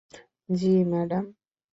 জ্বি, ম্যাডাম?